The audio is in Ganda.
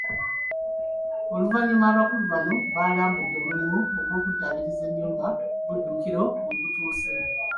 Oluvannyuma abakulu bano balambudde omulimu gw’okuddaabiriza ennyumba Buddukiro we gutuuse.